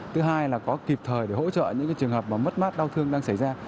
thứ hai là có kịp thời để hỗ trợ những trường hợp mất mắt đau thương đang xảy ra